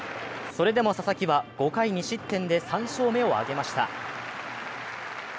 それでも佐々木は５回２失点で３勝目を挙げました。